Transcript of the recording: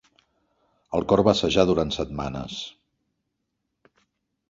El cor va assajar durant setmanes.